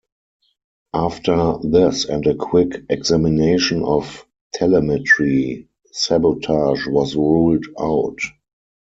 After this and a quick examination of telemetry, sabotage was ruled out.